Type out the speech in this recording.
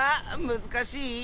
むずかしい？